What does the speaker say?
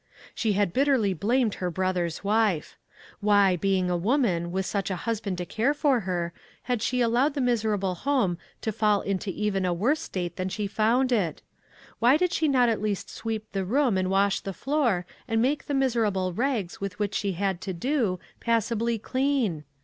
She had bitterly blamed her brother's wife. Why, being a woman, with a hus band to care for her, had she allowed the miserable home to fall into even a worse state than she found it? Why did she not at least sweep the room and wash the floor and make the miserable rags with which she had to do, passably clean